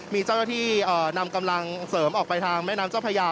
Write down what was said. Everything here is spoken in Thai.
มีเจ้าหน้าที่นำกำลังเสริมออกไปทางแม่น้ำเจ้าพญา